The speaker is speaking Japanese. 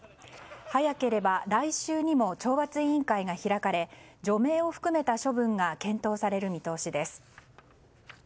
早ければ来週にも懲罰委員会が開かれ除名を含めた処分が検討される見通しです。